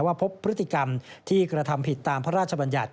พบพฤติกรรมที่กระทำผิดตามพระราชบัญญัติ